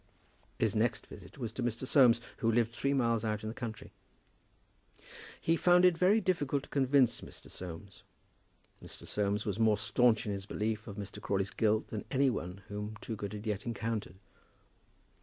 His next visit was to Mr. Soames, who lived three miles out in the country. He found it very difficult to convince Mr. Soames. Mr. Soames was more staunch in his belief of Mr. Crawley's guilt than any one whom Toogood had yet encountered.